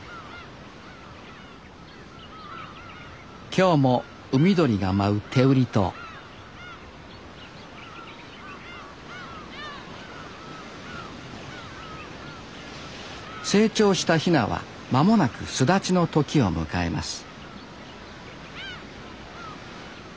今日も海鳥が舞う天売島成長したヒナは間もなく巣立ちの時を迎えます